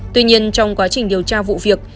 tuy nhiên trong quá trình điều tra vụ việc